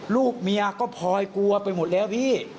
ลูกเมียก็พลอยกลัวไปหมดแล้วพี่